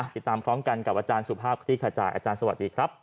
ติดตามพร้อมกันกับอาจารย์สุภาพคลี่ขจายอาจารย์สวัสดีครับ